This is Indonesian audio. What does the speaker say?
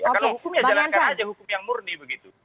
kalau hukumnya jalankan aja hukum yang murni begitu